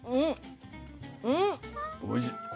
おいしい。